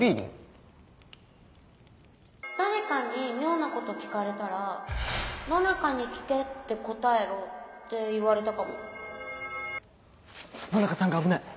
誰かに妙なこと聞かれたら「野中に聞けって答えろ」って言われたかも野中さんが危ない！